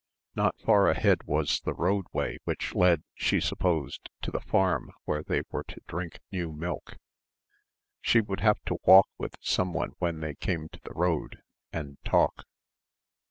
Not far ahead was the roadway which led, she supposed to the farm where they were to drink new milk. She would have to walk with someone when they came to the road, and talk.